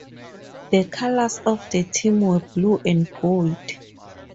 The colors of the team were blue and gold.